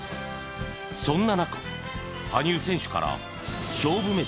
そんな中羽生選手からそれは